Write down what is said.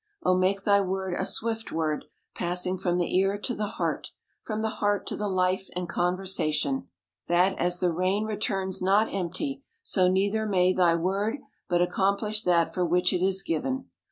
Oh, make thy word a swift word, passing from the ear to the heart, from the heart to the life and conversation ; that, as the rain returns not empty, so neither may thy word, but accomplish that for which it is given.